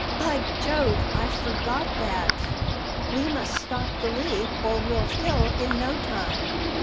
By Jove! I forgot that. We must stop the leak, or we'll fill in no time."